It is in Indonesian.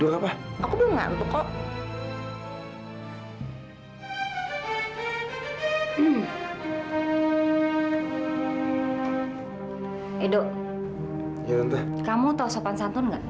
kamu tahu sopan santun nggak